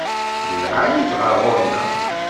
D lɛali-t ɣer ɣur-neɣ.